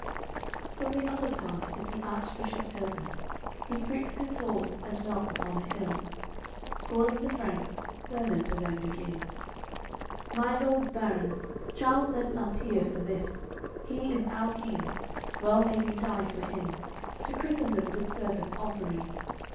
LXXXIX From the other part is the Archbishop Turpin, He pricks his horse and mounts upon a hill; Calling the Franks, sermon to them begins: "My lords barons, Charles left us here for this; He is our King, well may we die for him: To Christendom good service offering.